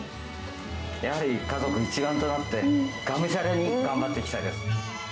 やはり家族一丸となって、がむしゃらに頑張っていきたいです。